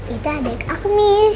itu adik aku miss